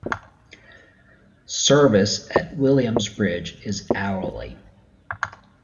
Service at Williams Bridge is hourly.